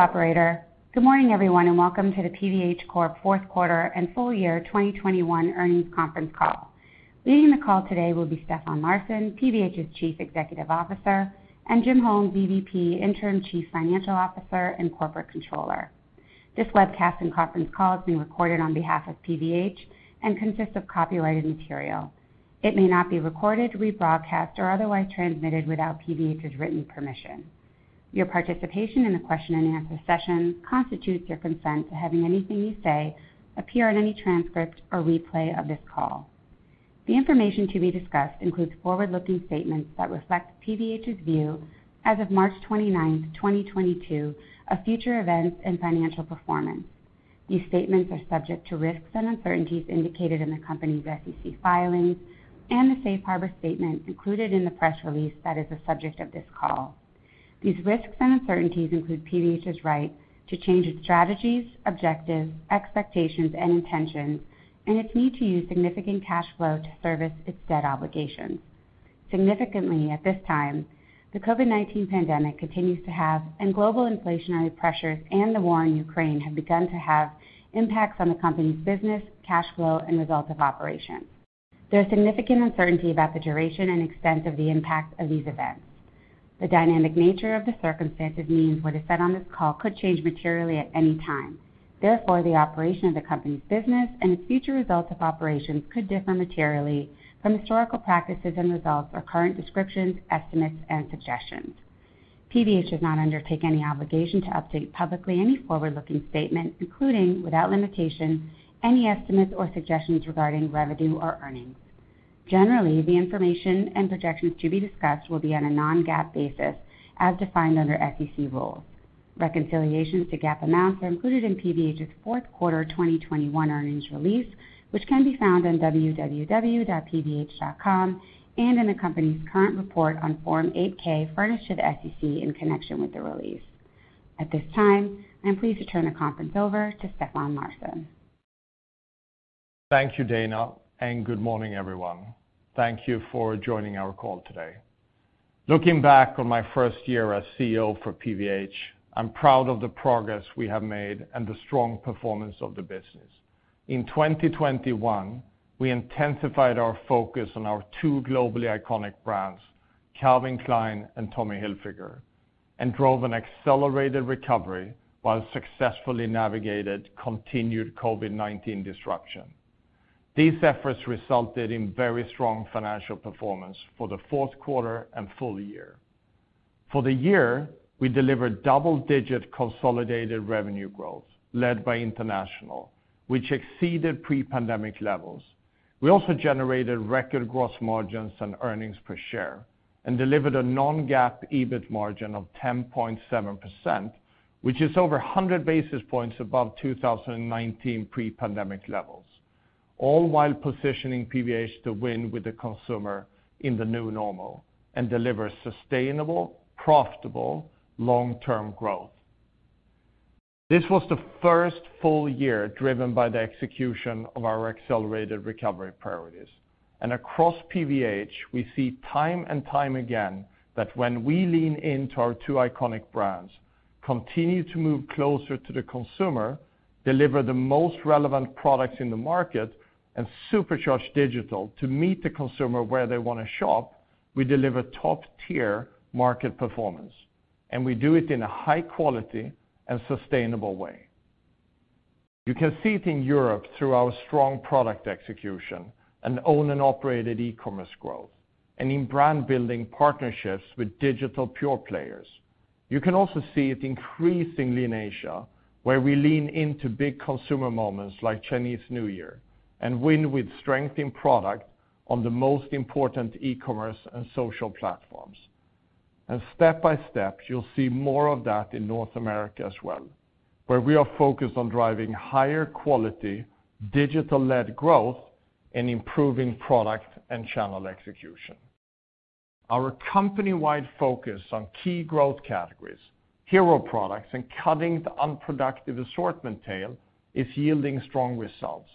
Operator. Good morning everyone, and welcome to the PVH Corp. fourth quarter and full year 2021 earnings conference call. Leading the call today will be Stefan Larsson, PVH's Chief Executive Officer, and Jim Holmes, EVP, Interim Chief Financial Officer and Corporate Controller. This webcast and conference call is being recorded on behalf of PVH and consists of copyrighted material. It may not be recorded, rebroadcast, or otherwise transmitted without PVH's written permission. Your participation in the question and answer session constitutes your consent to having anything you say appear in any transcript or replay of this call. The information to be discussed includes forward-looking statements that reflect PVH's view as of March 29, 2022, of future events and financial performance. These statements are subject to risks and uncertainties indicated in the company's SEC filings and the safe harbor statement included in the press release that is the subject of this call. These risks and uncertainties include PVH's right to change its strategies, objectives, expectations, and intentions, and its need to use significant cash flow to service its debt obligations. Significantly, at this time, the COVID-19 pandemic continues to have, and global inflationary pressures and the war in Ukraine have begun to have impacts on the company's business, cash flow, and results of operations. There is significant uncertainty about the duration and extent of the impact of these events. The dynamic nature of the circumstances means what is said on this call could change materially at any time. Therefore, the operation of the company's business and its future results of operations could differ materially from historical practices and results or current descriptions, estimates and suggestions. PVH does not undertake any obligation to update publicly any forward-looking statement, including, without limitation, any estimates or suggestions regarding revenue or earnings. Generally, the information and projections to be discussed will be on a non-GAAP basis as defined under SEC rules. Reconciliations to GAAP amounts are included in PVH's fourth quarter 2021 earnings release, which can be found on www.pvh.com and in the company's current report on Form 8-K furnished to the SEC in connection with the release. At this time, I am pleased to turn the conference over to Stefan Larsson. Thank you, Dana, and good morning, everyone. Thank you for joining our call today. Looking back on my first year as CEO for PVH, I'm proud of the progress we have made and the strong performance of the business. In 2021, we intensified our focus on our two globally iconic brands, Calvin Klein and Tommy Hilfiger, and drove an accelerated recovery while successfully navigated continued COVID-19 disruption. These efforts resulted in very strong financial performance for the fourth quarter and full year. For the year, we delivered double-digit consolidated revenue growth led by international, which exceeded pre-pandemic levels. We also generated record gross margins and earnings per share and delivered a non-GAAP EBIT margin of 10.7%, which is over 100 basis points above 2019 pre-pandemic levels, all while positioning PVH to win with the consumer in the new normal and deliver sustainable, profitable long-term growth. This was the first full year driven by the execution of our accelerated recovery priorities. Across PVH, we see time and time again that when we lean into our two iconic brands, continue to move closer to the consumer, deliver the most relevant products in the market, and supercharge digital to meet the consumer where they wanna shop, we deliver top-tier market performance, and we do it in a high quality and sustainable way. You can see it in Europe through our strong product execution and own and operated e-commerce growth, and in brand building partnerships with digital pure players. You can also see it increasingly in Asia, where we lean into big consumer moments like Chinese New Year and win with strength in product on the most important e-commerce and social platforms. Step by step, you'll see more of that in North America as well, where we are focused on driving higher quality digital-led growth and improving product and channel execution. Our company-wide focus on key growth categories, hero products, and cutting the unproductive assortment tail is yielding strong results.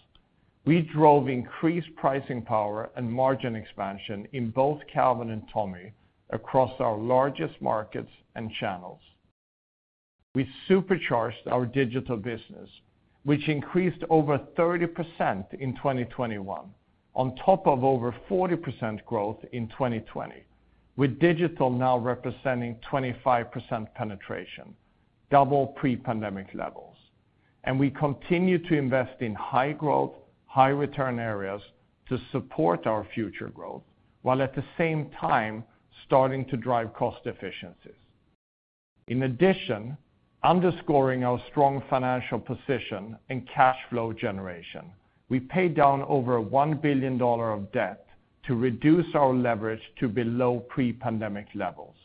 We drove increased pricing power and margin expansion in both Calvin and Tommy across our largest markets and channels. We supercharged our digital business, which increased over 30% in 2021, on top of over 40% growth in 2020, with digital now representing 25% penetration, double pre-pandemic levels. We continue to invest in high growth, high return areas to support our future growth, while at the same time starting to drive cost efficiencies. In addition, underscoring our strong financial position and cash flow generation, we paid down over $1 billion of debt to reduce our leverage to below pre-pandemic levels.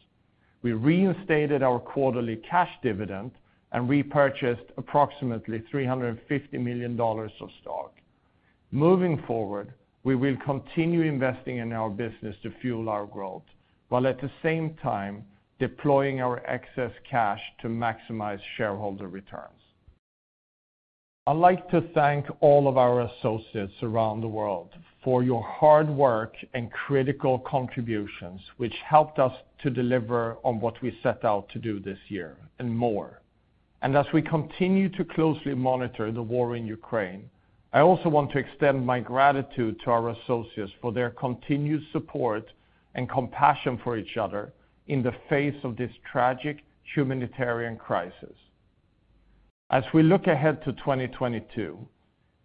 We reinstated our quarterly cash dividend and repurchased approximately $350 million of stock. Moving forward, we will continue investing in our business to fuel our growth, while at the same time deploying our excess cash to maximize shareholder returns. I'd like to thank all of our associates around the world for your hard work and critical contributions, which helped us to deliver on what we set out to do this year and more. As we continue to closely monitor the war in Ukraine, I also want to extend my gratitude to our associates for their continued support and compassion for each other in the face of this tragic humanitarian crisis. As we look ahead to 2022,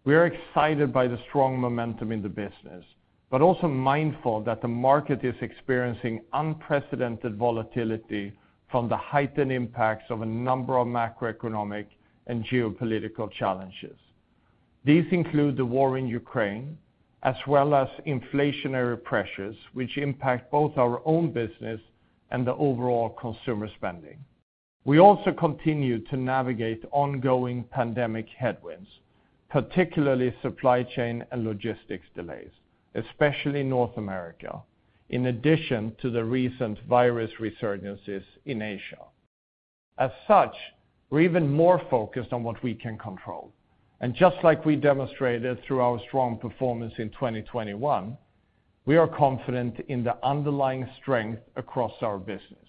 we are excited by the strong momentum in the business, but also mindful that the market is experiencing unprecedented volatility from the heightened impacts of a number of macroeconomic and geopolitical challenges. These include the war in Ukraine, as well as inflationary pressures, which impact both our own business and the overall consumer spending. We also continue to navigate ongoing pandemic headwinds, particularly supply chain and logistics delays, especially in North America, in addition to the recent virus resurgences in Asia. As such, we're even more focused on what we can control. Just like we demonstrated through our strong performance in 2021, we are confident in the underlying strength across our business.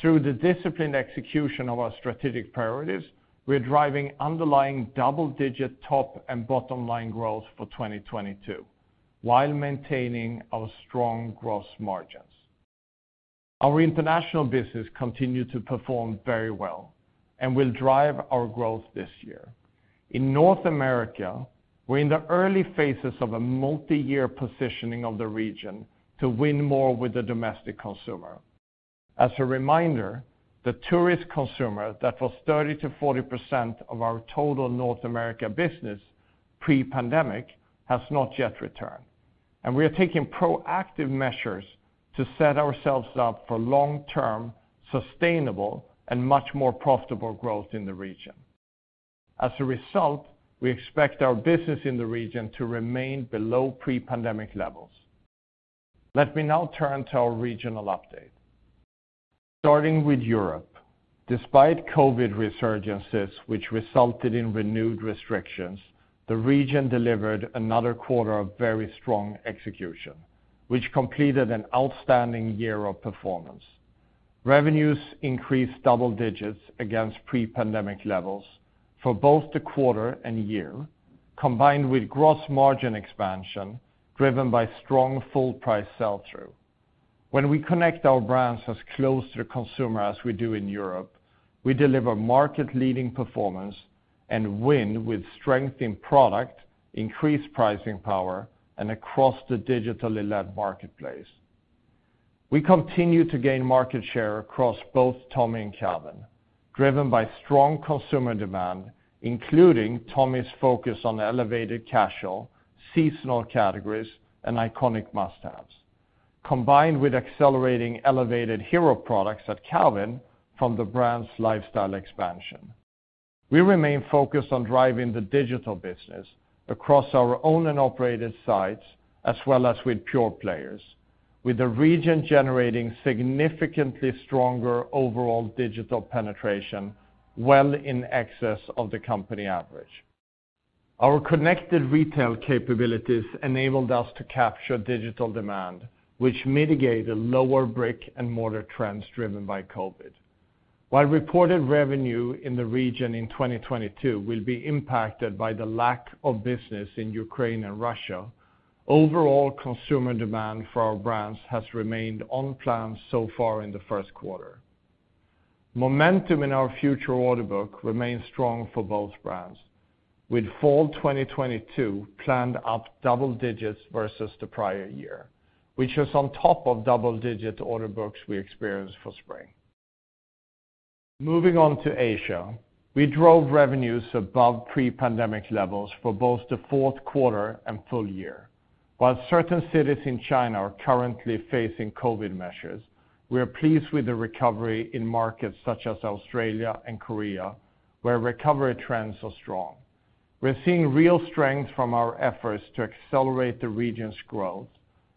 Through the disciplined execution of our strategic priorities, we're driving underlying double-digit top and bottom line growth for 2022 while maintaining our strong gross margins. Our international business continued to perform very well and will drive our growth this year. In North America, we're in the early phases of a multi-year positioning of the region to win more with the domestic consumer. As a reminder, the tourist consumer that was 30%-40% of our total North America business pre-pandemic has not yet returned, and we are taking proactive measures to set ourselves up for long-term, sustainable, and much more profitable growth in the region. As a result, we expect our business in the region to remain below pre-pandemic levels. Let me now turn to our regional update. Starting with Europe, despite COVID resurgences, which resulted in renewed restrictions, the region delivered another quarter of very strong execution, which completed an outstanding year of performance. Revenues increased double digits against pre-pandemic levels for both the quarter and year, combined with gross margin expansion driven by strong full price sell-through. When we connect our brands as close to the consumer as we do in Europe, we deliver market-leading performance and win with strength in product, increased pricing power, and across the digitally led marketplace. We continue to gain market share across both Tommy and Calvin, driven by strong consumer demand, including Tommy's focus on the elevated casual, seasonal categories, and iconic must-haves, combined with accelerating elevated hero products at Calvin from the brand's lifestyle expansion. We remain focused on driving the digital business across our owned and operated sites, as well as with pure players, with the region generating significantly stronger overall digital penetration well in excess of the company average. Our connected retail capabilities enabled us to capture digital demand, which mitigated lower brick-and-mortar trends driven by COVID. While reported revenue in the region in 2022 will be impacted by the lack of business in Ukraine and Russia, overall consumer demand for our brands has remained on plan so far in the first quarter. Momentum in our future order book remains strong for both brands, with fall 2022 planned up double digits versus the prior year, which is on top of double-digit order books we experienced for spring. Moving on to Asia, we drove revenues above pre-pandemic levels for both the fourth quarter and full year. While certain cities in China are currently facing COVID measures, we are pleased with the recovery in markets such as Australia and Korea, where recovery trends are strong. We're seeing real strength from our efforts to accelerate the region's growth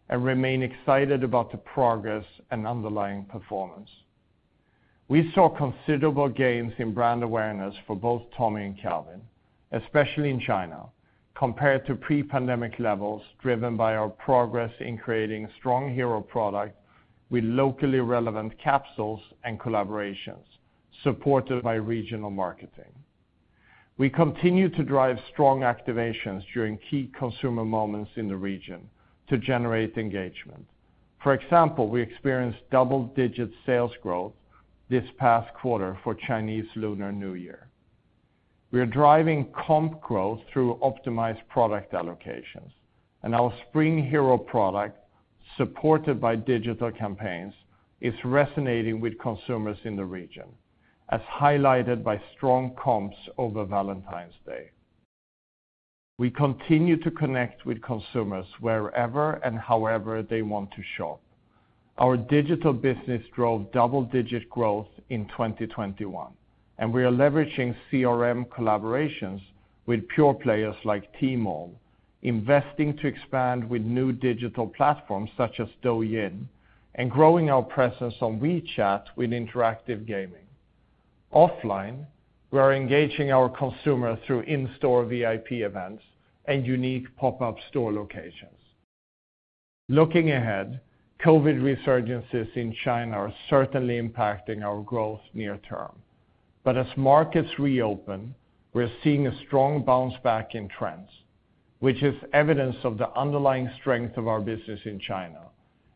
and remain excited about the progress and underlying performance. We saw considerable gains in brand awareness for both Tommy and Calvin, especially in China, compared to pre-pandemic levels, driven by our progress in creating strong hero product with locally relevant capsules and collaborations supported by regional marketing. We continue to drive strong activations during key consumer moments in the region to generate engagement. For example, we experienced double-digit sales growth this past quarter for Chinese Lunar New Year. We are driving comp growth through optimized product allocations, and our spring hero product, supported by digital campaigns, is resonating with consumers in the region, as highlighted by strong comps over Valentine's Day. We continue to connect with consumers wherever and however they want to shop. Our digital business drove double-digit growth in 2021, and we are leveraging CRM collaborations with pure players like Tmall, investing to expand with new digital platforms such as Douyin. And growing our presence on WeChat with interactive gaming. Offline, we are engaging our consumer through in-store VIP events and unique pop-up store locations. Looking ahead, COVID resurgences in China are certainly impacting our growth near term. As markets reopen, we're seeing a strong bounce back in trends, which is evidence of the underlying strength of our business in China.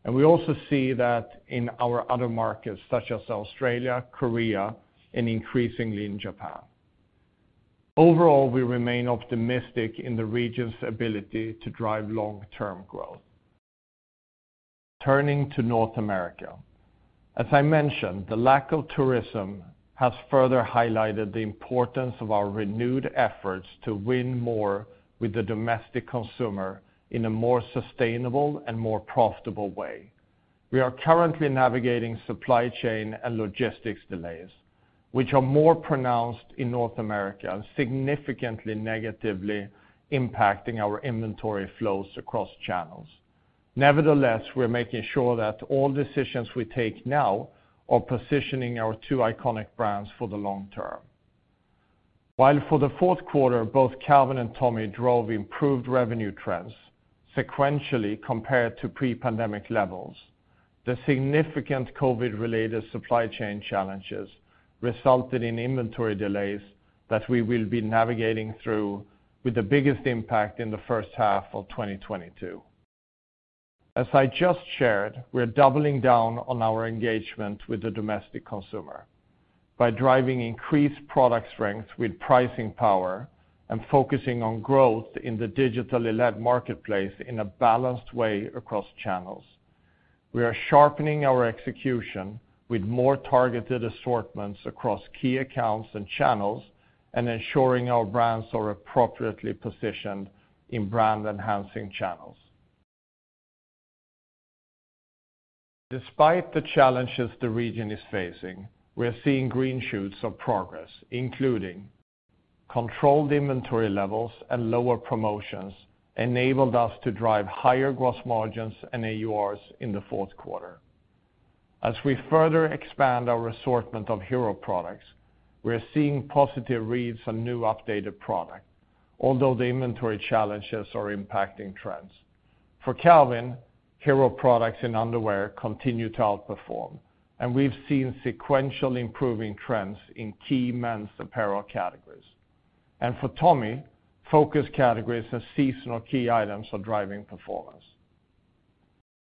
We also see that in our other markets, such as Australia, Korea, and increasingly in Japan. Overall, we remain optimistic in the region's ability to drive long-term growth. Turning to North America. As I mentioned, the lack of tourism has further highlighted the importance of our renewed efforts to win more with the domestic consumer in a more sustainable and more profitable way. We are currently navigating supply chain and logistics delays, which are more pronounced in North America, and significantly negatively impacting our inventory flows across channels. Nevertheless, we're making sure that all decisions we take now are positioning our two iconic brands for the long term. While for the fourth quarter, both Calvin and Tommy drove improved revenue trends sequentially compared to pre-pandemic levels, the significant COVID-related supply chain challenges resulted in inventory delays that we will be navigating through, with the biggest impact in the first half of 2022. As I just shared, we're doubling down on our engagement with the domestic consumer by driving increased product strength with pricing power and focusing on growth in the digitally led marketplace in a balanced way across channels. We are sharpening our execution with more targeted assortments across key accounts and channels, and ensuring our brands are appropriately positioned in brand-enhancing channels. Despite the challenges the region is facing, we're seeing green shoots of progress, including controlled inventory levels and lower promotions enabled us to drive higher gross margins and AURs in the fourth quarter. As we further expand our assortment of hero products, we are seeing positive reads on new updated product, although the inventory challenges are impacting trends. For Calvin, hero products and underwear continue to outperform, and we've seen sequential improving trends in key men's apparel categories. For Tommy, focus categories and seasonal key items are driving performance.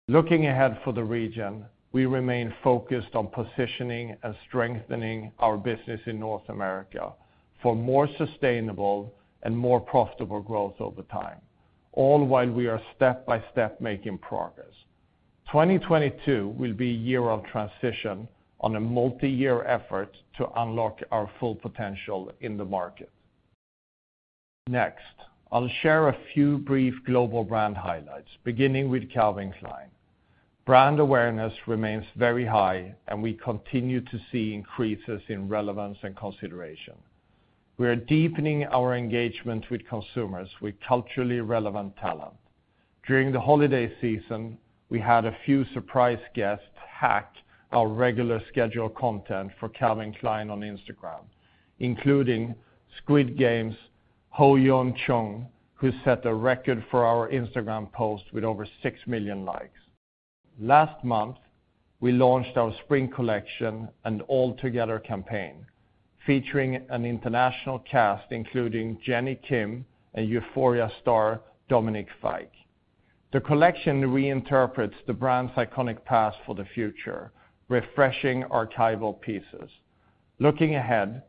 Looking ahead for the region, we remain focused on positioning and strengthening our business in North America for more sustainable and more profitable growth over time, all while we are step-by-step making progress. 2022 will be a year of transition on a multiyear effort to unlock our full potential in the market. Next, I'll share a few brief global brand highlights, beginning with Calvin Klein. Brand awareness remains very high, and we continue to see increases in relevance and consideration. We are deepening our engagement with consumers with culturally relevant talent. During the holiday season, we had a few surprise guests hack our regular scheduled content for Calvin Klein on Instagram, including Squid Game's HoYeon Jung, who set a record for our Instagram post with over 6 million likes. Last month, we launched our spring collection and All Together campaign, featuring an international cast, including Jennie Kim and Euphoria star Dominic Fike. The collection reinterprets the brand's iconic past for the future, refreshing archival pieces. Looking ahead,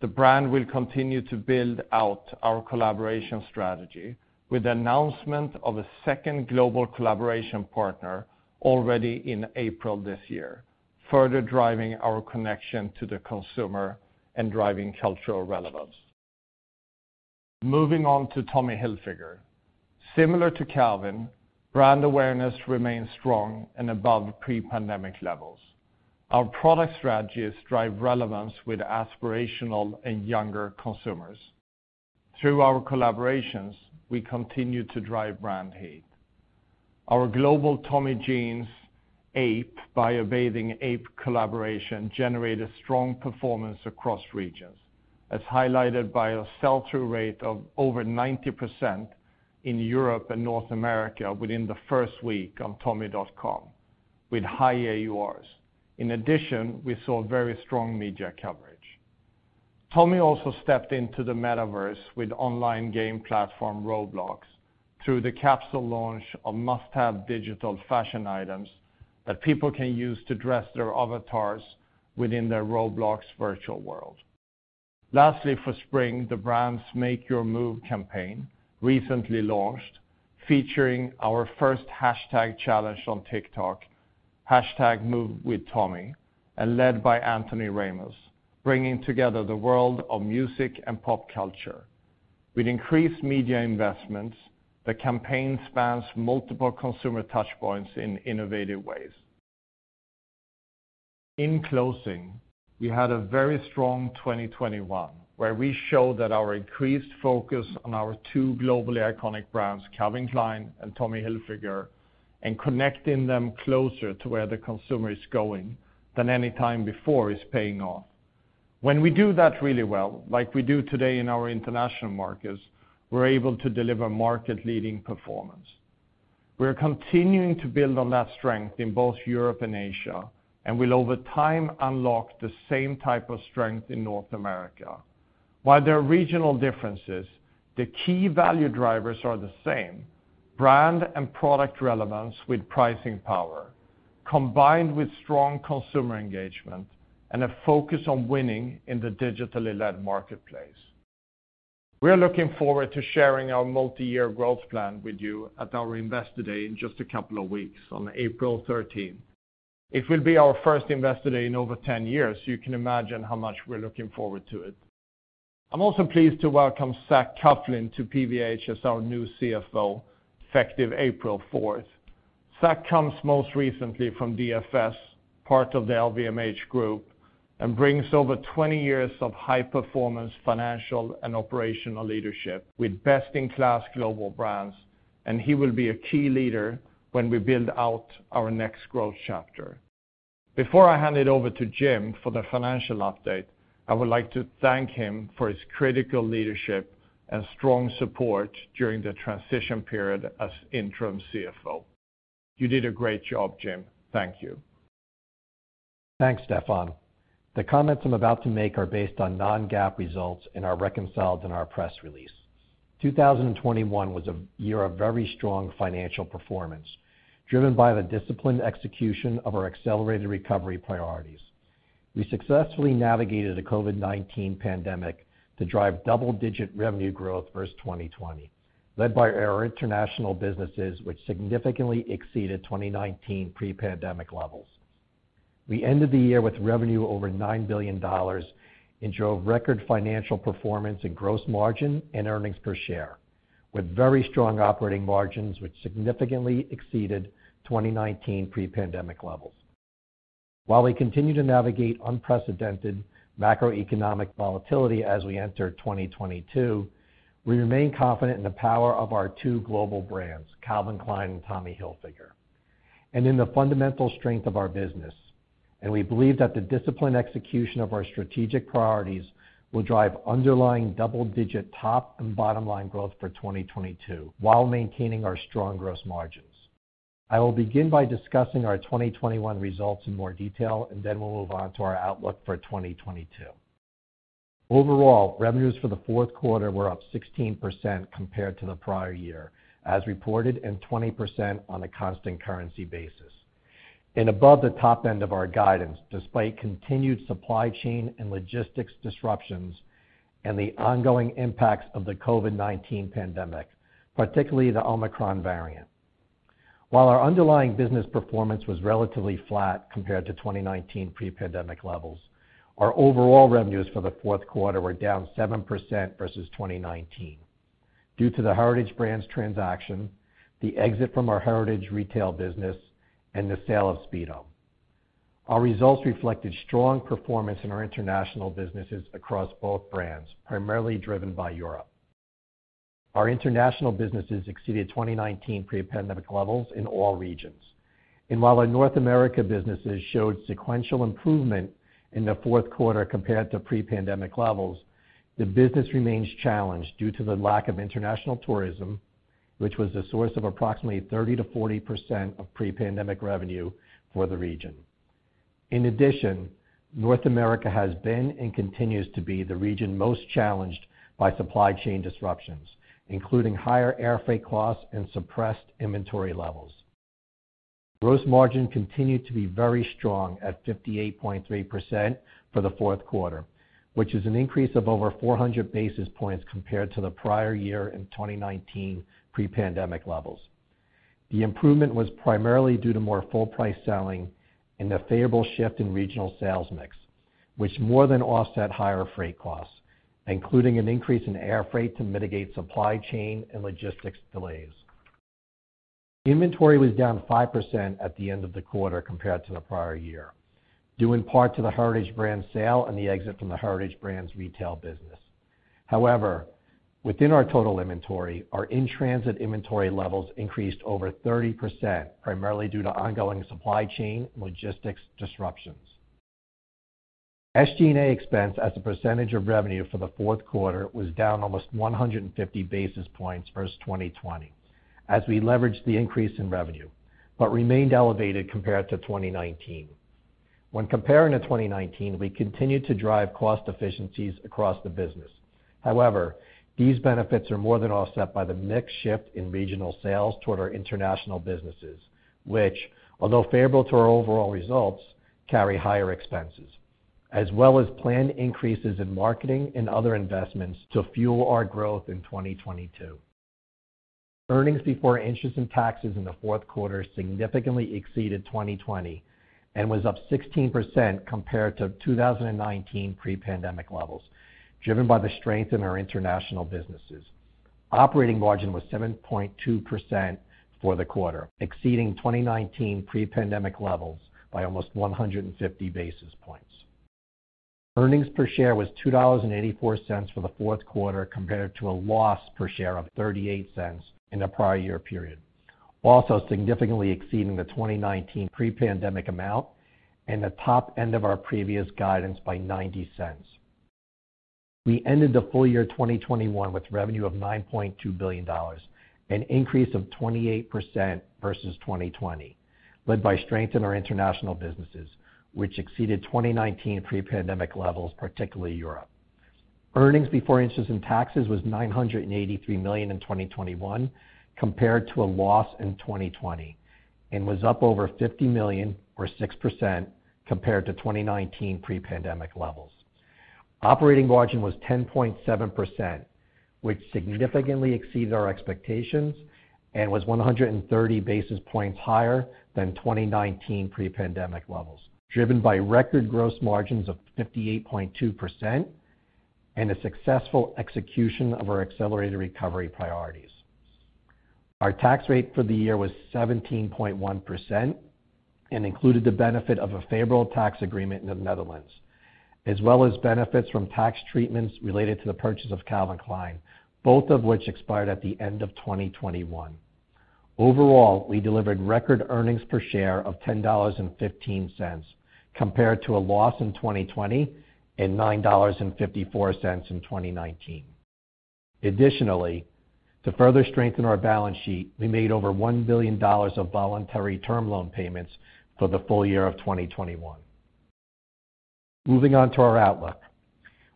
the brand will continue to build out our collaboration strategy with the announcement of a second global collaboration partner already in April this year, further driving our connection to the consumer and driving cultural relevance. Moving on to Tommy Hilfiger. Similar to Calvin, brand awareness remains strong and above pre-pandemic levels. Our product strategies drive relevance with aspirational and younger consumers. Through our collaborations, we continue to drive brand heat. Our global Tommy Jeans AAPE BY A BATHING APE collaboration generated strong performance across regions, as highlighted by a sell-through rate of over 90% in Europe and North America within the first week on tommy.com, with high AURs. In addition, we saw very strong media coverage. Tommy also stepped into the metaverse with online game platform Roblox through the capsule launch of must-have digital fashion items that people can use to dress their avatars within their Roblox virtual world. Lastly, for spring, the brand's Make Your Move campaign recently launched, featuring our first hashtag challenge on TikTok, #MoveWithTommy, and led by Anthony Ramos, bringing together the world of music and pop culture. With increased media investments, the campaign spans multiple consumer touchpoints in innovative ways. In closing, we had a very strong 2021, where we showed that our increased focus on our two globally iconic brands, Calvin Klein and Tommy Hilfiger, and connecting them closer to where the consumer is going than any time before is paying off. When we do that really well, like we do today in our international markets, we're able to deliver market-leading performance. We're continuing to build on that strength in both Europe and Asia, and will over time unlock the same type of strength in North America. While there are regional differences, the key value drivers are the same, brand and product relevance with pricing power, combined with strong consumer engagement and a focus on winning in the digitally-led marketplace. We are looking forward to sharing our multiyear growth plan with you at our Investor Day in just a couple of weeks on April 13. It will be our first Investor Day in over 10 years. You can imagine how much we're looking forward to it. I'm also pleased to welcome Zac Coughlin to PVH as our new CFO, effective April 4. Zac comes most recently from DFS, part of the LVMH group, and brings over 20 years of high-performance financial and operational leadership with best-in-class global brands, and he will be a key leader when we build out our next growth chapter. Before I hand it over to Jim for the financial update, I would like to thank him for his critical leadership and strong support during the transition period as Interim CFO. You did a great job, Jim. Thank you. Thanks, Stefan. The comments I'm about to make are based on non-GAAP results and are reconciled in our press release. 2021 was a year of very strong financial performance, driven by the disciplined execution of our accelerated recovery priorities. We successfully navigated the COVID-19 pandemic to drive double-digit revenue growth versus 2020, led by our international businesses, which significantly exceeded 2019 pre-pandemic levels. We ended the year with revenue over $9 billion and drove record financial performance in gross margin and earnings per share, with very strong operating margins, which significantly exceeded 2019 pre-pandemic levels. While we continue to navigate unprecedented macroeconomic volatility as we enter 2022, we remain confident in the power of our two global brands, Calvin Klein and Tommy Hilfiger, and in the fundamental strength of our business, and we believe that the disciplined execution of our strategic priorities will drive underlying double-digit top and bottom line growth for 2022 while maintaining our strong gross margins. I will begin by discussing our 2021 results in more detail, and then we'll move on to our outlook for 2022. Overall, revenues for the fourth quarter were up 16% compared to the prior year, as reported, and 20% on a constant currency basis, and above the top end of our guidance, despite continued supply chain and logistics disruptions and the ongoing impacts of the COVID-19 pandemic, particularly the Omicron variant. While our underlying business performance was relatively flat compared to 2019 pre-pandemic levels, our overall revenues for the fourth quarter were down 7% versus 2019 due to the Heritage Brands transaction, the exit from our Heritage retail business, and the sale of Speedo. Our results reflected strong performance in our international businesses across both brands, primarily driven by Europe. Our international businesses exceeded 2019 pre-pandemic levels in all regions. While our North America businesses showed sequential improvement in the fourth quarter compared to pre-pandemic levels, the business remains challenged due to the lack of international tourism, which was the source of approximately 30%-40% of pre-pandemic revenue for the region. In addition, North America has been and continues to be the region most challenged by supply chain disruptions, including higher air freight costs and suppressed inventory levels. Gross margin continued to be very strong at 58.3% for the fourth quarter, which is an increase of over 400 basis points compared to the prior year and 2019 pre-pandemic levels. The improvement was primarily due to more full price selling and a favorable shift in regional sales mix, which more than offset higher freight costs, including an increase in air freight to mitigate supply chain and logistics delays. Inventory was down 5% at the end of the quarter compared to the prior year, due in part to the Heritage Brands sale and the exit from the Heritage Brands retail business. However, within our total inventory, our in-transit inventory levels increased over 30%, primarily due to ongoing supply chain logistics disruptions. SG&A expense as a percentage of revenue for the fourth quarter was down almost 150 basis points versus 2020 as we leveraged the increase in revenue, but remained elevated compared to 2019. When comparing to 2019, we continued to drive cost efficiencies across the business. However, these benefits are more than offset by the mix shift in regional sales toward our international businesses, which, although favorable to our overall results, carry higher expenses, as well as planned increases in marketing and other investments to fuel our growth in 2022. EBIT in the fourth quarter significantly exceeded 2020 and was up 16% compared to 2019 pre-pandemic levels, driven by the strength in our international businesses. Operating margin was 7.2% for the quarter, exceeding 2019 pre-pandemic levels by almost 150 basis points. Earnings per share was $2.84 for the fourth quarter compared to a loss per share of $0.38 in the prior year period, also significantly exceeding the 2019 pre-pandemic amount and the top end of our previous guidance by $0.90. We ended the full year 2021 with revenue of $9.2 billion, an increase of 28% versus 2020, led by strength in our international businesses, which exceeded 2019 pre-pandemic levels, particularly Europe. EBIT was $983 million in 2021 compared to a loss in 2020, and was up over $50 million or 6% compared to 2019 pre-pandemic levels. Operating margin was 10.7%, which significantly exceeds our expectations and was 130 basis points higher than 2019 pre-pandemic levels, driven by record gross margins of 58.2% and a successful execution of our accelerated recovery priorities. Our tax rate for the year was 17.1% and included the benefit of a favorable tax agreement in the Netherlands, as well as benefits from tax treatments related to the purchase of Calvin Klein, both of which expired at the end of 2021. Overall, we delivered record earnings per share of $10.15 compared to a loss in 2020 and $9.54 in 2019. Additionally, to further strengthen our balance sheet, we made over $1 billion of voluntary term loan payments for the full year of 2021. Moving on to our outlook.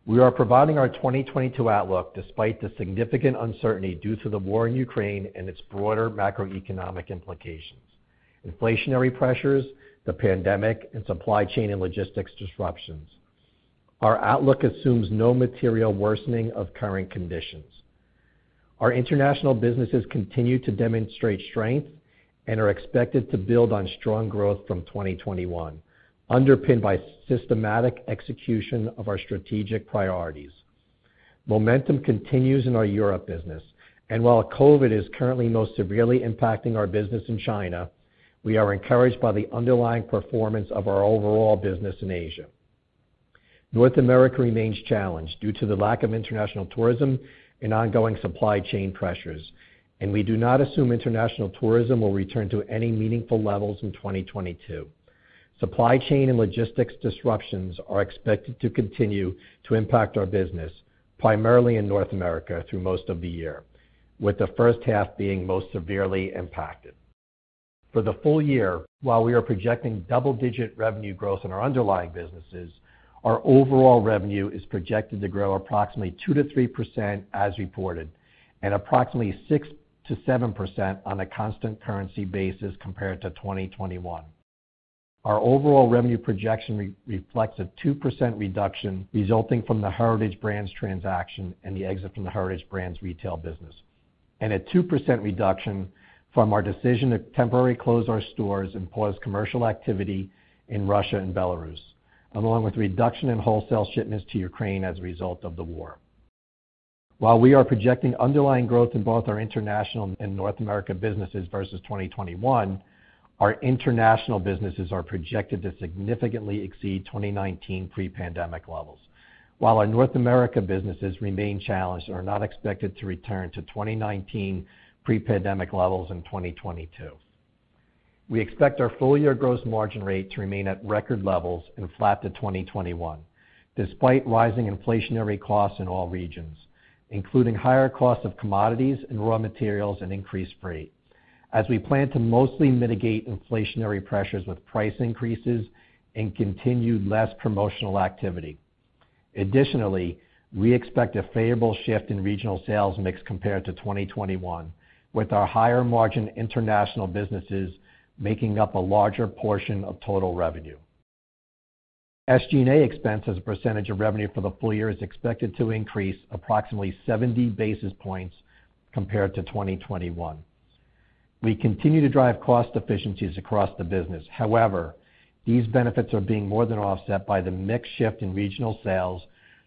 We are providing our 2022 outlook despite the significant uncertainty due to the war in Ukraine and its broader macroeconomic implications, inflationary pressures, the pandemic, and supply chain and logistics disruptions. Our outlook assumes no material worsening of current conditions. Our international businesses continue to demonstrate strength and are expected to build on strong growth from 2021, underpinned by systematic execution of our strategic priorities. Momentum continues in our Europe business, and while COVID is currently most severely impacting our business in China, we are encouraged by the underlying performance of our overall business in Asia. North America remains challenged due to the lack of international tourism and ongoing supply chain pressures, and we do not assume international tourism will return to any meaningful levels in 2022. Supply chain and logistics disruptions are expected to continue to impact our business, primarily in North America through most of the year, with the first half being most severely impacted. For the full year, while we are projecting double-digit revenue growth in our underlying businesses, our overall revenue is projected to grow approximately 2%-3% as reported and approximately 6%-7% on a constant currency basis compared to 2021. Our overall revenue projection reflects a 2% reduction resulting from the Heritage Brands transaction and the exit from the Heritage Brands retail business, and a 2% reduction from our decision to temporarily close our stores and pause commercial activity in Russia and Belarus, along with reduction in wholesale shipments to Ukraine as a result of the war. While we are projecting underlying growth in both our international and North America businesses versus 2021, our international businesses are projected to significantly exceed 2019 pre-pandemic levels. While our North America businesses remain challenged and are not expected to return to 2019 pre-pandemic levels in 2022. We expect our full year gross margin rate to remain at record levels and flat to 2021, despite rising inflationary costs in all regions, including higher costs of commodities and raw materials and increased freight, as we plan to mostly mitigate inflationary pressures with price increases and continued less promotional activity. Additionally, we expect a favorable shift in regional sales mix compared to 2021, with our higher margin international businesses making up a larger portion of total revenue. SG&A expense as a percentage of revenue for the full year is expected to increase approximately 70 basis points compared to 2021. We continue to drive cost efficiencies across the business. However, these benefits are being more than offset by the mix shift in regional sales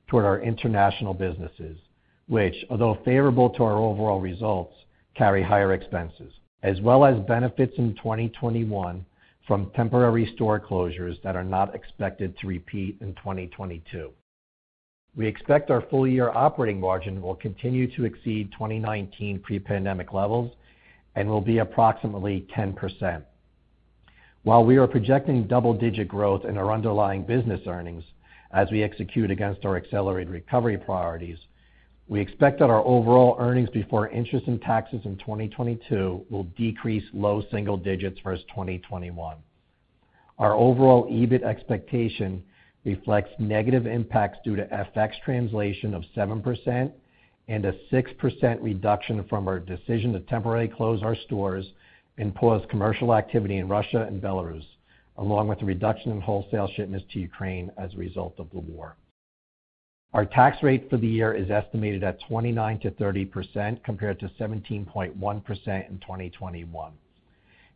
toward our international businesses, which, although favorable to our overall results, carry higher expenses, as well as benefits in 2021 from temporary store closures that are not expected to repeat in 2022. We expect our full year operating margin will continue to exceed 2019 pre-pandemic levels and will be approximately 10%. While we are projecting double-digit growth in our underlying business earnings as we execute against our accelerated recovery priorities, we expect that our overall earnings before interest and taxes in 2022 will decrease low single digits versus 2021. Our overall EBIT expectation reflects negative impacts due to FX translation of 7% and a 6% reduction from our decision to temporarily close our stores and pause commercial activity in Russia and Belarus, along with the reduction in wholesale shipments to Ukraine as a result of the war. Our tax rate for the year is estimated at 29%-30% compared to 17.1% in 2021.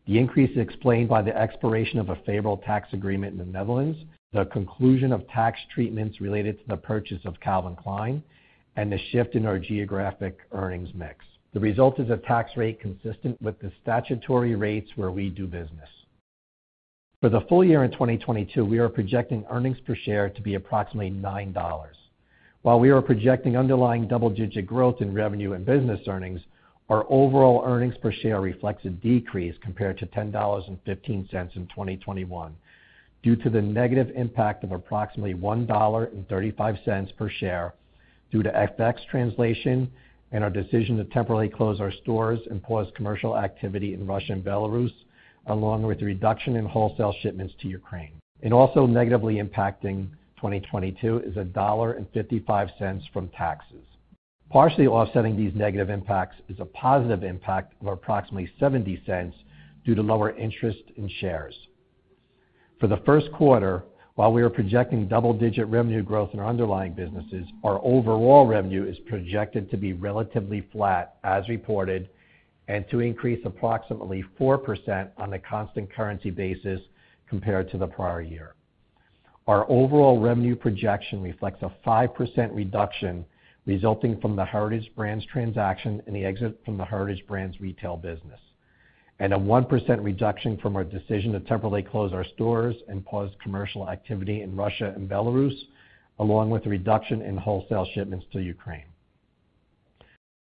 The increase is explained by the expiration of a favorable tax agreement in the Netherlands, the conclusion of tax treatments related to the purchase of Calvin Klein, and the shift in our geographic earnings mix. The result is a tax rate consistent with the statutory rates where we do business. For the full year in 2022, we are projecting earnings per share to be approximately $9. While we are projecting underlying double-digit growth in revenue and business earnings, our overall earnings per share reflects a decrease compared to $10.15 in 2021 due to the negative impact of approximately $1.35 per share due to FX translation and our decision to temporarily close our stores and pause commercial activity in Russia and Belarus, along with the reduction in wholesale shipments to Ukraine. Also negatively impacting 2022 is $1.55 from taxes. Partially offsetting these negative impacts is a positive impact of approximately $0.70 due to lower interest in shares. For the first quarter, while we are projecting double-digit revenue growth in our underlying businesses, our overall revenue is projected to be relatively flat as reported, and to increase approximately 4% on a constant currency basis compared to the prior year. Our overall revenue projection reflects a 5% reduction resulting from the Heritage Brands transaction and the exit from the Heritage Brands retail business, and a 1% reduction from our decision to temporarily close our stores and pause commercial activity in Russia and Belarus, along with the reduction in wholesale shipments to Ukraine.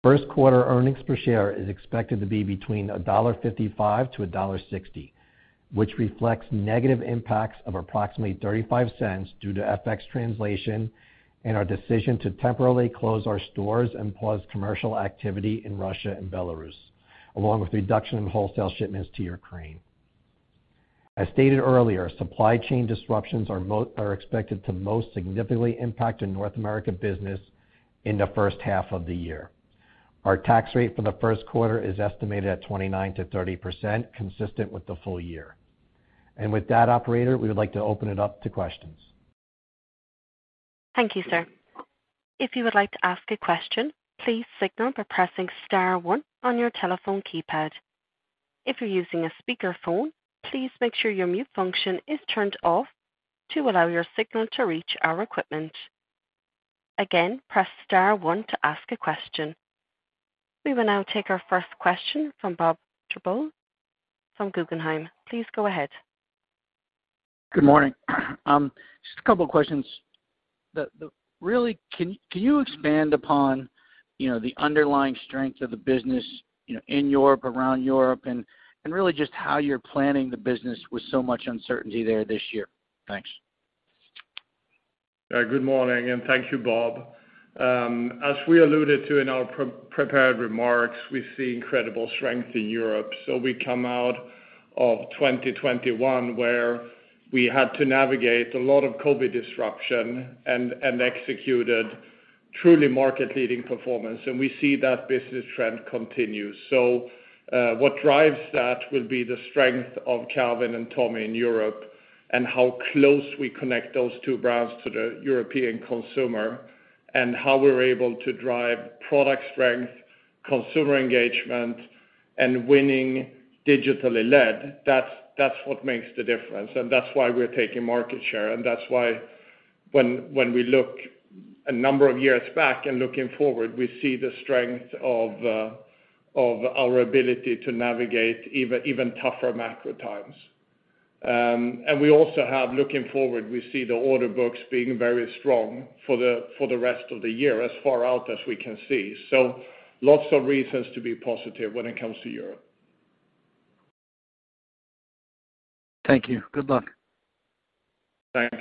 First quarter earnings per share is expected to be between $1.55-$1.60, which reflects negative impacts of approximately $0.35 due to FX translation and our decision to temporarily close our stores and pause commercial activity in Russia and Belarus, along with reduction in wholesale shipments to Ukraine. As stated earlier, supply chain disruptions are expected to most significantly impact the North America business in the first half of the year. Our tax rate for the first quarter is estimated at 29%-30%, consistent with the full year. With that operator, we would like to open it up to questions. Thank you, sir. If you would like to ask a question, please signal by pressing star one on your telephone keypad. If you're using a speakerphone, please make sure your mute function is turned off to allow your signal to reach our equipment. Again, press star one to ask a question. We will now take our first question from Bob Drbul from Guggenheim. Please go ahead. Good morning. Just a couple questions. Really, can you expand upon, you know, the underlying strength of the business, you know, in Europe, around Europe and really just how you're planning the business with so much uncertainty there this year? Thanks. Yeah, good morning, and thank you, Bob. As we alluded to in our pre-prepared remarks, we see incredible strength in Europe. We come out of 2021 where we had to navigate a lot of COVID disruption and executed truly market-leading performance. We see that business trend continue. What drives that will be the strength of Calvin and Tommy in Europe and how close we connect those two brands to the European consumer, and how we're able to drive product strength, consumer engagement, and winning digitally led. That's what makes the difference. That's why we're taking market share. That's why when we look a number of years back and looking forward, we see the strength of our ability to navigate even tougher macro times. We also have, looking forward, we see the order books being very strong for the rest of the year as far out as we can see. Lots of reasons to be positive when it comes to Europe. Thank you. Good luck. Thank you.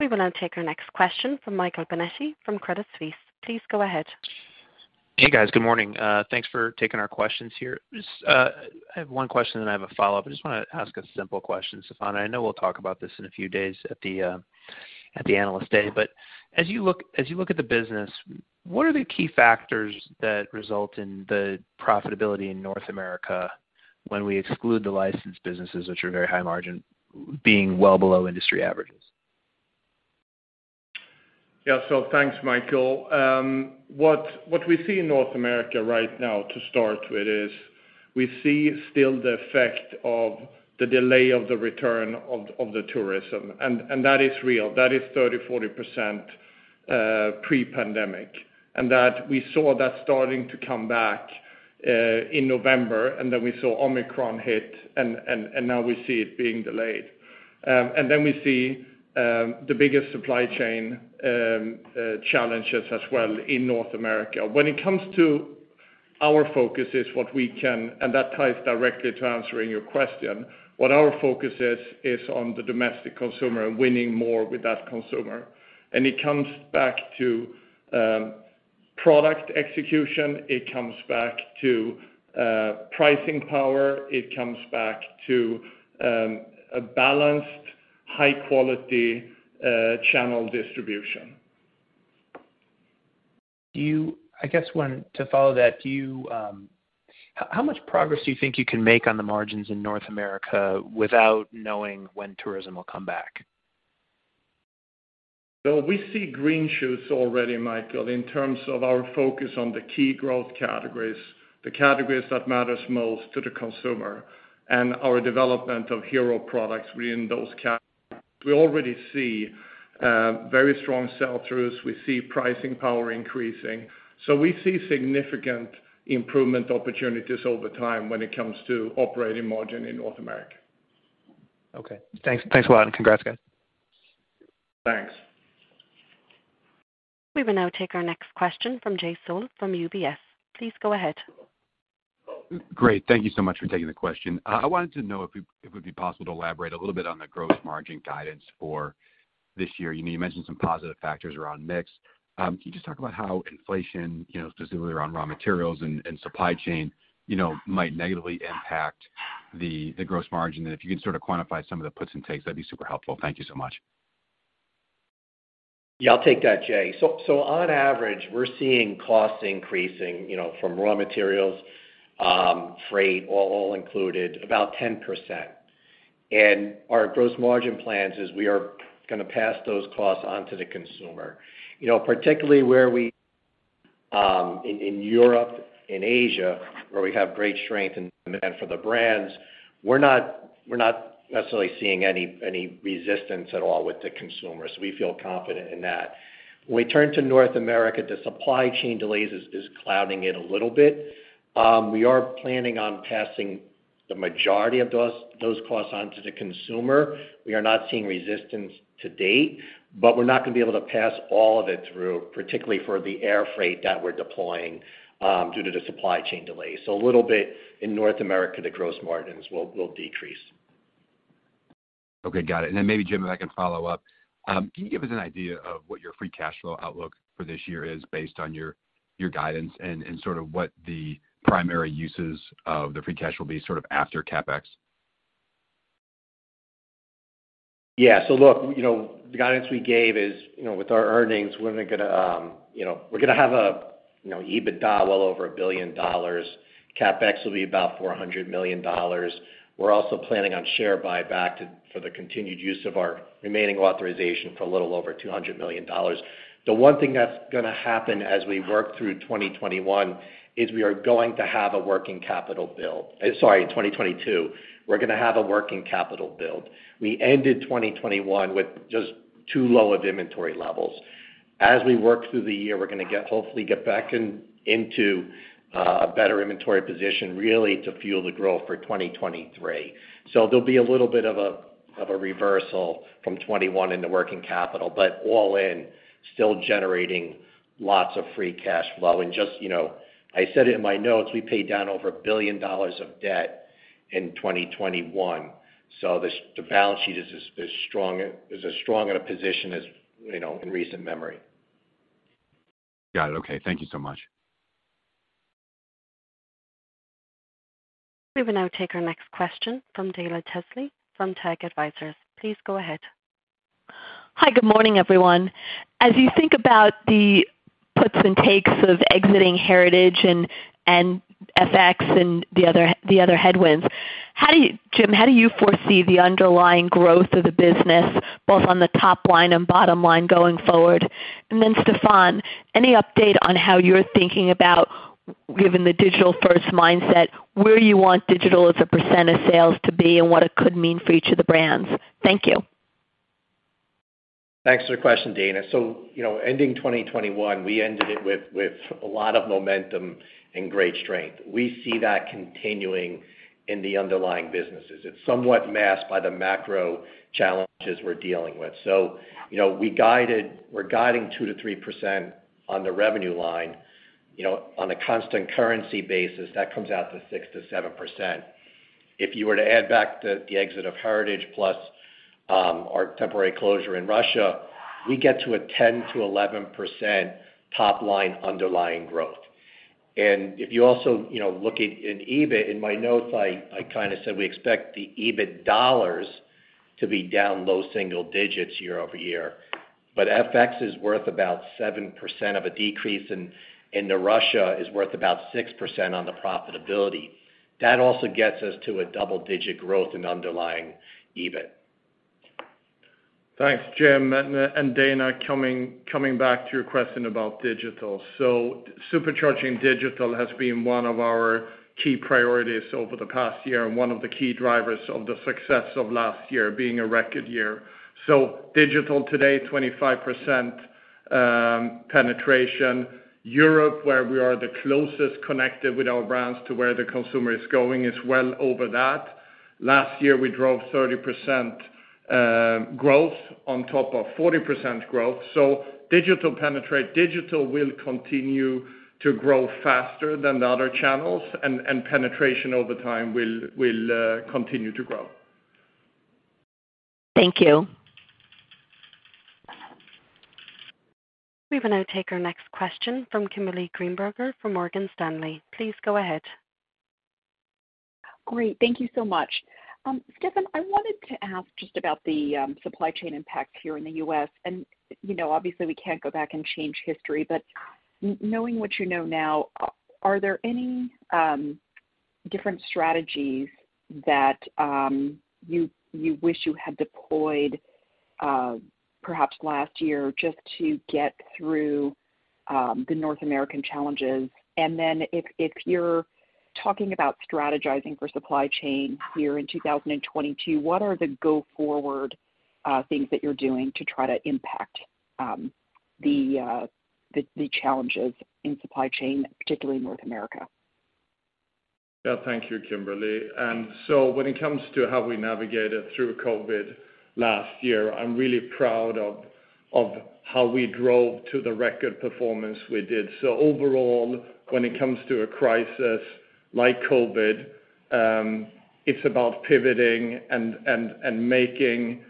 We will now take our next question from Michael Binetti from Credit Suisse. Please go ahead. Hey, guys. Good morning. Thanks for taking our questions here. Just, I have one question, and I have a follow-up. I just wanna ask a simple question, Stefan. I know we'll talk about this in a few days at the Analyst Day. As you look at the business, what are the key factors that result in the profitability in North America when we exclude the licensed businesses, which are very high margin, being well below industry averages? Yeah. Thanks, Michael. What we see in North America right now to start with is we see still the effect of the delay of the return of the tourism, and that is real. That is 30, 40% pre-pandemic. That we saw that starting to come back in November, and then we saw Omicron hit, and now we see it being delayed. Then we see the biggest supply chain challenges as well in North America. When it comes to our focus, that ties directly to answering your question. What our focus is on the domestic consumer and winning more with that consumer. It comes back to product execution. It comes back to pricing power. It comes back to a balanced, high quality channel distribution. Do you, I guess, want to follow that, do you? How much progress do you think you can make on the margins in North America without knowing when tourism will come back? We see green shoots already, Michael, in terms of our focus on the key growth categories, the categories that matters most to the consumer and our development of hero products within those categories. We already see very strong sell-throughs. We see pricing power increasing. We see significant improvement opportunities over time when it comes to operating margin in North America. Okay. Thanks. Thanks a lot, and congrats guys. Thanks. We will now take our next question from Jay Sole from UBS. Please go ahead. Great. Thank you so much for taking the question. I wanted to know if it would be possible to elaborate a little bit on the gross margin guidance for this year. You mentioned some positive factors around mix. Can you just talk about how inflation, you know, specifically around raw materials and supply chain, you know, might negatively impact the gross margin? And if you can sort of quantify some of the puts and takes, that'd be super helpful. Thank you so much. Yeah, I'll take that, Jay. So on average, we're seeing costs increasing, you know, from raw materials, freight, all included about 10%. Our gross margin plans is we are gonna pass those costs on to the consumer. You know, particularly in Europe, in Asia where we have great strength and demand for the brands, we're not necessarily seeing any resistance at all with the consumers. We feel confident in that. When we turn to North America, the supply chain delays is clouding it a little bit. We are planning on passing the majority of those costs on to the consumer. We are not seeing resistance to date, but we're not gonna be able to pass all of it through, particularly for the air freight that we're deploying due to the supply chain delays. A little bit in North America, the gross margins will decrease. Okay. Got it. Then maybe, Jim, if I can follow up. Can you give us an idea of what your free cash flow outlook for this year is based on your guidance and sort of what the primary uses of the free cash will be sort of after CapEx? Yeah. Look, you know, the guidance we gave is, you know, with our earnings, we're gonna get, you know, we're gonna have a EBITDA well over $1 billion. CapEx will be about $400 million. We're also planning on share buyback for the continued use of our remaining authorization for a little over $200 million. The one thing that's gonna happen as we work through 2021 is we are going to have a working capital build. Sorry, 2022. We're gonna have a working capital build. We ended 2021 with just too low of inventory levels. As we work through the year, we're gonna get, hopefully get back into a better inventory position, really to fuel the growth for 2023. There'll be a little bit of a reversal from 2021 in the working capital. All in, still generating lots of free cash flow. Just, you know, I said it in my notes, we paid down over $1 billion of debt in 2021. The balance sheet is as strong a position as, you know, in recent memory. Got it. Okay. Thank you so much. We will now take our next question from Dana Telsey from TAG. Please go ahead. Hi. Good morning, everyone. As you think about the puts and takes of exiting Heritage and FX and the other headwinds, Jim, how do you foresee the underlying growth of the business, both on the top line and bottom line going forward? Then Stefan, any update on how you're thinking about, given the digital-first mindset, where you want digital as a % of sales to be and what it could mean for each of the brands? Thank you. Thanks for the question, Dana. You know, ending 2021, we ended it with a lot of momentum and great strength. We see that continuing in the underlying businesses. It's somewhat masked by the macro challenges we're dealing with. You know, we're guiding 2%-3% on the revenue line. On a constant currency basis, that comes out to 6%-7%. If you were to add back the exit of Heritage plus our temporary closure in Russia, we get to a 10%-11% top line underlying growth. If you also look at EBIT, in my notes, I kinda said we expect the EBIT dollars to be down low single digits year-over-year. FX is worth about 7% of a decrease, and the Russia is worth about 6% on the profitability. That also gets us to a double-digit growth in underlying EBIT. Thanks, Jim. Dana, coming back to your question about digital. Supercharging digital has been one of our key priorities over the past year and one of the key drivers of the success of last year being a record year. Digital today, 25% penetration. Europe, where we are the closest connected with our brands to where the consumer is going, is well over that. Last year, we drove 30% growth on top of 40% growth. Digital will continue to grow faster than the other channels and penetration over time will continue to grow. Thank you. We will now take our next question from Kimberly Greenberger from Morgan Stanley. Please go ahead. Great. Thank you so much. Stefan, I wanted to ask just about the supply chain impact here in the U.S. You know, obviously, we can't go back and change history, but knowing what you know now, are there any different strategies that you wish you had deployed, perhaps last year just to get through the North American challenges? If you're talking about strategizing for supply chain here in 2022, what are the go-forward things that you're doing to try to impact the challenges in supply chain, particularly in North America? Yeah, thank you, Kimberly. When it comes to how we navigated through COVID last year, I'm really proud of how we drove to the record performance we did. Overall, when it comes to a crisis like COVID, it's about pivoting and making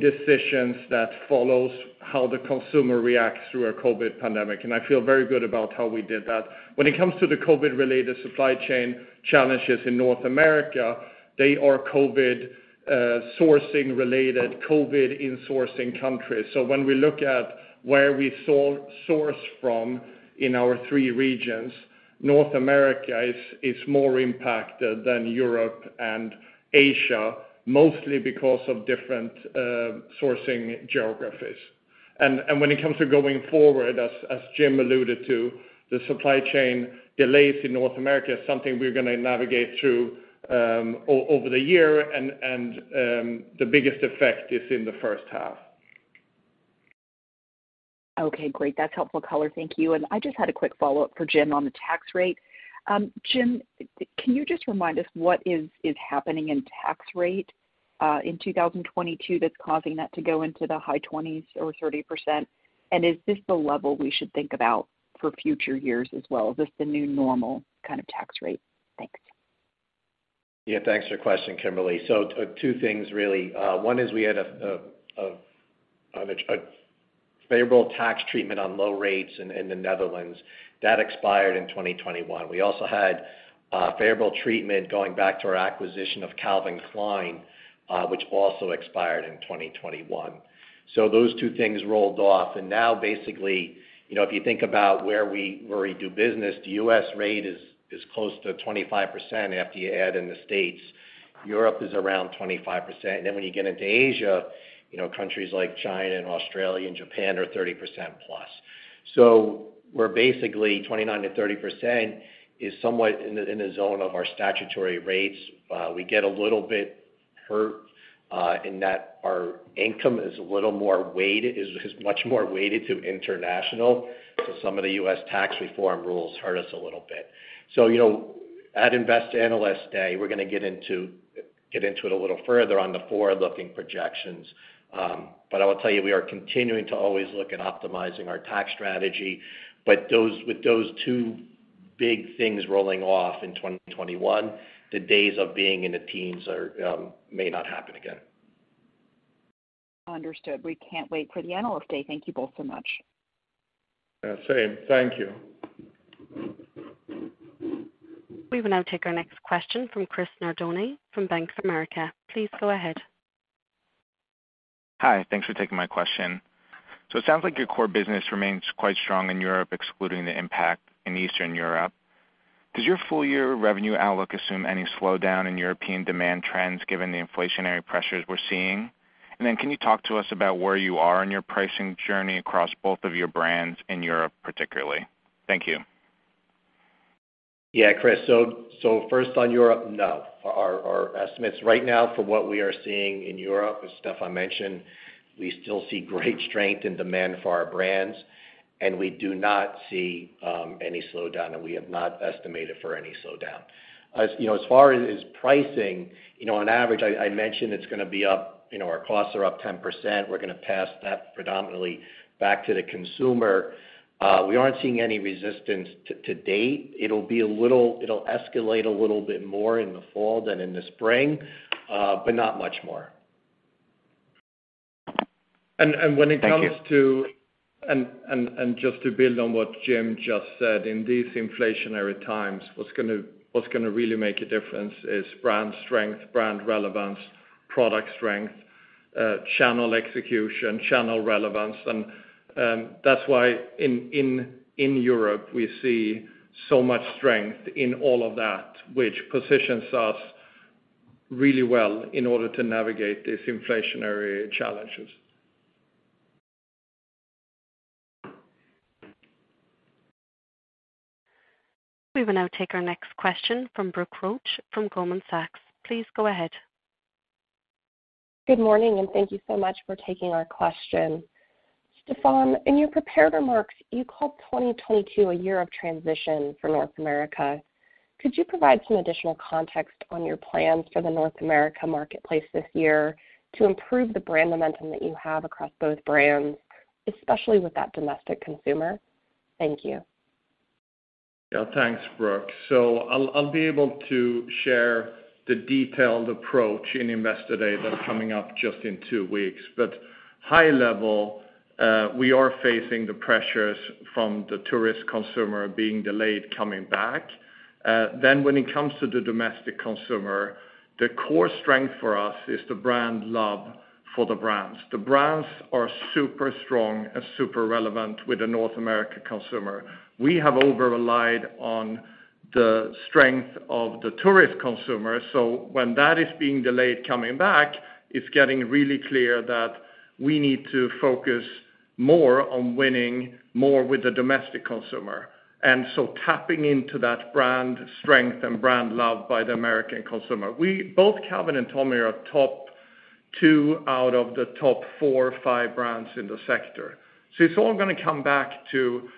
decisions that follows how the consumer reacts through a COVID pandemic. I feel very good about how we did that. When it comes to the COVID-related supply chain challenges in North America, they are COVID sourcing related, COVID in sourcing countries. When we look at where we source from in our three regions, North America is more impacted than Europe and Asia, mostly because of different sourcing geographies. When it comes to going forward, as Jim alluded to, the supply chain delays in North America is something we're gonna navigate through, over the year and the biggest effect is in the first half. Okay, great. That's helpful color. Thank you. I just had a quick follow-up for Jim on the tax rate. Jim, can you just remind us what is happening in tax rate in 2022 that's causing that to go into the high 20s or 30%? Is this the level we should think about for future years as well? Is this the new normal kind of tax rate? Thanks. Yeah. Thanks for your question, Kimberly. Two things, really. One is we had a favorable tax treatment on low rates in the Netherlands. That expired in 2021. We also had favorable treatment going back to our acquisition of Calvin Klein, which also expired in 2021. Those two things rolled off. Now basically, you know, if you think about where we do business, the U.S. rate is close to 25% after you add in the states. Europe is around 25%. Then when you get into Asia, you know, countries like China and Australia and Japan are 30% plus. Where basically 29%-30% is somewhat in a zone of our statutory rates. We get a little bit hurt in that our income is much more weighted to international. Some of the U.S. tax reform rules hurt us a little bit. You know, at Investor Analyst Day, we're gonna get into it a little further on the forward-looking projections. I will tell you, we are continuing to always look at optimizing our tax strategy. With those two big things rolling off in 2021, the days of being in the teens may not happen again. Understood. We can't wait for the Analyst Day. Thank you both so much. Yeah, same. Thank you. We will now take our next question from Chris Nardone from Bank of America. Please go ahead. Hi. Thanks for taking my question. It sounds like your core business remains quite strong in Europe, excluding the impact in Eastern Europe. Does your full year revenue outlook assume any slowdown in European demand trends given the inflationary pressures we're seeing? Then can you talk to us about where you are in your pricing journey across both of your brands in Europe, particularly? Thank you. Yeah, Chris. First on Europe, no. Our estimates right now from what we are seeing in Europe, as Stefan mentioned, we still see great strength and demand for our brands, and we do not see any slowdown, and we have not estimated for any slowdown. As you know, as far as pricing, you know, on average, I mentioned it's gonna be up. You know, our costs are up 10%. We're gonna pass that predominantly back to the consumer. We aren't seeing any resistance to date. It'll escalate a little bit more in the fall than in the spring, but not much more. When it comes to. Thank you. Just to build on what Jim just said. In these inflationary times, what's gonna really make a difference is brand strength, brand relevance, product strength, channel execution, channel relevance. That's why in Europe, we see so much strength in all of that, which positions us really well in order to navigate these inflationary challenges. We will now take our next question from Brooke Roach from Goldman Sachs. Please go ahead. Good morning, and thank you so much for taking our question. Stefan, in your prepared remarks, you called 2022 a year of transition for North America. Could you provide some additional context on your plans for the North America marketplace this year to improve the brand momentum that you have across both brands, especially with that domestic consumer? Thank you. Yeah. Thanks, Brooke. I'll be able to share the detailed approach in Investor Day that are coming up just in two weeks. High level, we are facing the pressures from the tourist consumer being delayed coming back. When it comes to the domestic consumer, the core strength for us is the brand love. For the brands. The brands are super strong and super relevant with the North American consumer. We have over-relied on the strength of the tourist consumer. When that is being delayed coming back, it's getting really clear that we need to focus more on winning more with the domestic consumer, tapping into that brand strength and brand love by the American consumer. Both Calvin and Tommy are top two out of the top four or five brands in the sector. It's all gonna come back to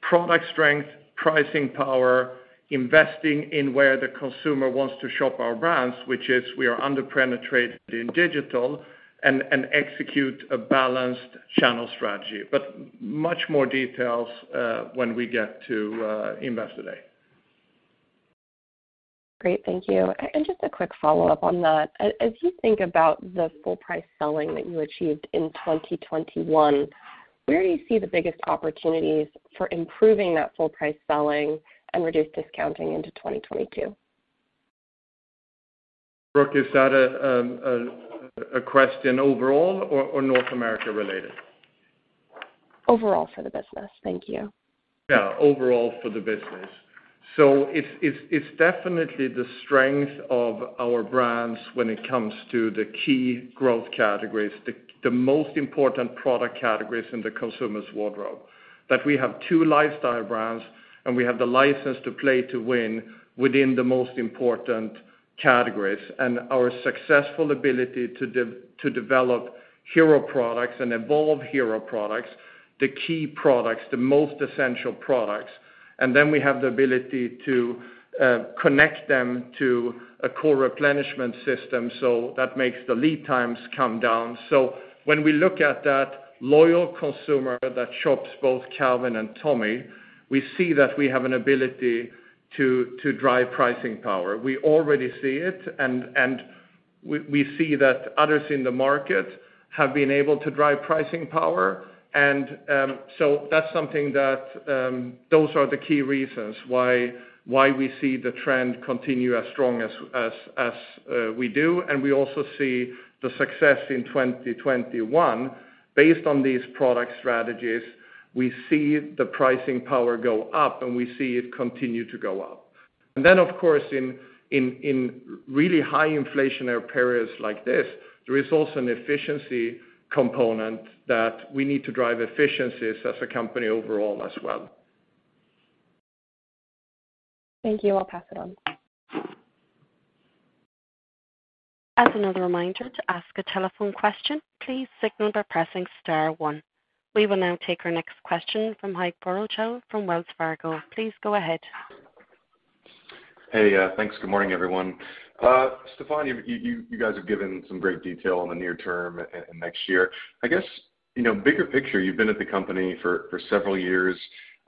product strength, pricing power, investing in where the consumer wants to shop our brands, which is we are under-penetrated in digital, and execute a balanced channel strategy. Much more details when we get to Investor Day. Great. Thank you. Just a quick follow-up on that. As you think about the full price selling that you achieved in 2021, where do you see the biggest opportunities for improving that full price selling and reduce discounting into 2022? Brooke, is that a question overall or North America related? Overall for the business. Thank you. Yeah, overall for the business. It's definitely the strength of our brands when it comes to the key growth categories, the most important product categories in the consumer's wardrobe, that we have two lifestyle brands, and we have the license to play to win within the most important categories. Our successful ability to develop hero products and evolve hero products, the key products, the most essential products. We have the ability to connect them to a core replenishment system, so that makes the lead times come down. When we look at that loyal consumer that shops both Calvin and Tommy, we see that we have an ability to drive pricing power. We already see it, and we see that others in the market have been able to drive pricing power. That's something that those are the key reasons why we see the trend continue as strong as we do. We also see the success in 2021 based on these product strategies. We see the pricing power go up, and we see it continue to go up. Of course, in really high inflationary periods like this, there is also an efficiency component that we need to drive efficiencies as a company overall as well. Thank you. I'll pass it on. As another reminder, to ask a telephone question, please signal by pressing star one. We will now take our next question from Ike Boruchow from Wells Fargo. Please go ahead. Hey, thanks. Good morning, everyone. Stefan, you guys have given some great detail on the near term and next year. I guess, you know, bigger picture, you've been at the company for several years.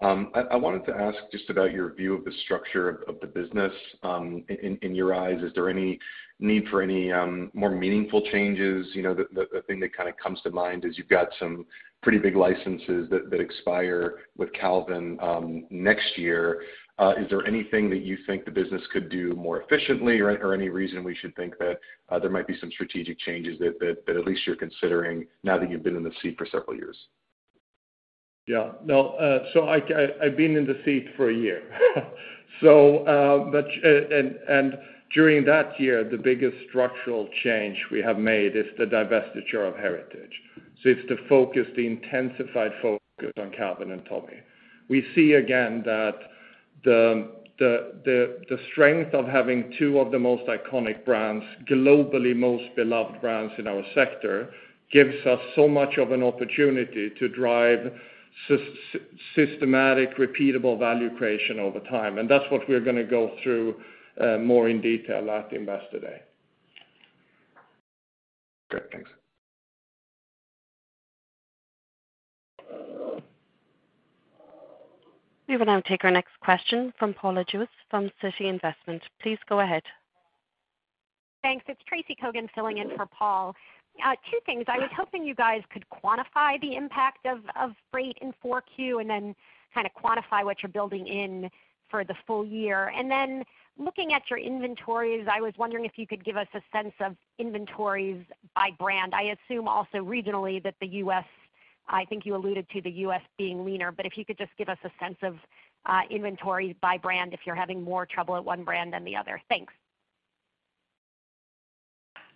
I wanted to ask just about your view of the structure of the business. In your eyes, is there any need for any more meaningful changes? You know, the thing that kinda comes to mind is you've got some pretty big licenses that expire with Calvin next year. Is there anything that you think the business could do more efficiently or any reason we should think that there might be some strategic changes that at least you're considering now that you've been in the seat for several years? I've been in the seat for a year. During that year, the biggest structural change we have made is the divestiture of Heritage Brands. It's the focus, the intensified focus on Calvin and Tommy. We see again that the strength of having two of the most iconic brands, globally most beloved brands in our sector, gives us so much of an opportunity to drive systematic, repeatable value creation over time. That's what we're gonna go through more in detail at the Investor Day. Great. Thanks. We will now take our next question from Paul Lejuez from Citi. Please go ahead. Thanks. It's Tracy Kogan filling in for Paul. Two things. I was hoping you guys could quantify the impact of freight in Q4, and then kinda quantify what you're building in for the full year. Looking at your inventories, I was wondering if you could give us a sense of inventories by brand. I assume also regionally that the U.S., I think you alluded to the U.S. being leaner, but if you could just give us a sense of inventories by brand, if you're having more trouble at one brand than the other. Thanks.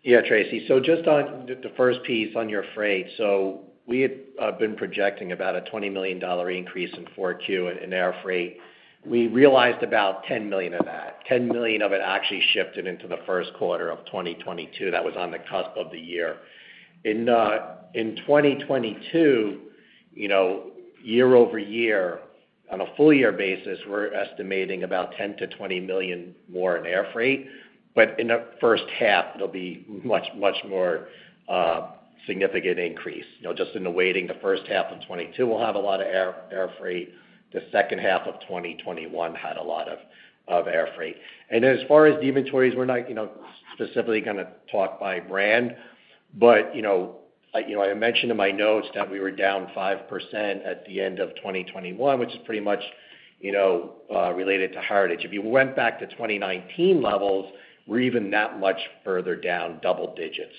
Yeah, Tracy. Just on the first piece on your freight. We had been projecting about a $20 million increase in 4Q in air freight. We realized about $10 million of that. Ten million of it actually shifted into the first quarter of 2022. That was on the cusp of the year. In 2022, you know, year-over-year, on a full year basis, we're estimating about $10 million-$20 million more in air freight. In the first half, it'll be much more significant increase. You know, just in the waiting, the first half of 2022 will have a lot of air freight. The second half of 2021 had a lot of air freight. As far as the inventories, we're not, you know, specifically gonna talk by brand, but, you know, I, you know, I mentioned in my notes that we were down 5% at the end of 2021, which is pretty much, you know, related to Heritage. If you went back to 2019 levels, we're even that much further down, double digits.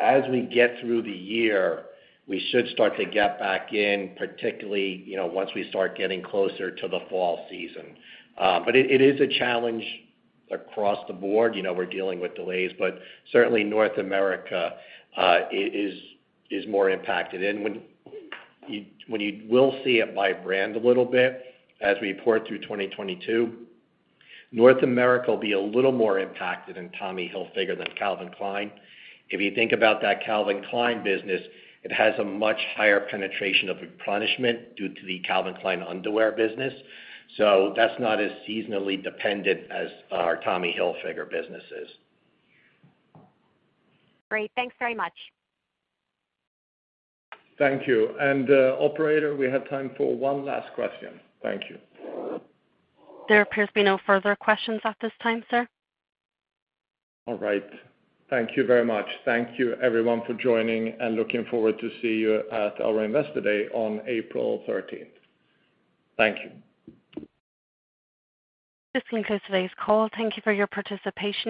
As we get through the year, we should start to get back in, particularly, you know, once we start getting closer to the fall season. It is a challenge across the board. You know, we're dealing with delays, but certainly North America is more impacted. When you will see it by brand a little bit as we report through 2022, North America will be a little more impacted in Tommy Hilfiger than Calvin Klein. If you think about that Calvin Klein business, it has a much higher penetration of replenishment due to the Calvin Klein underwear business. That's not as seasonally dependent as our Tommy Hilfiger business is. Great. Thanks very much. Thank you. Operator, we have time for one last question. Thank you. There appears to be no further questions at this time, sir. All right. Thank you very much. Thank you everyone for joining, and looking forward to see you at our Investor Day on April thirteenth. Thank you. This concludes today's call. Thank you for your participation.